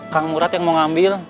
kang murad yang mau ngambil